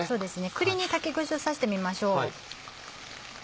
栗に竹串を刺してみましょう。